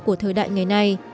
của thời đại ngày nay